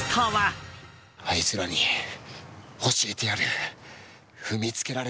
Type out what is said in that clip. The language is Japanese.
あいつらに教えてやれ。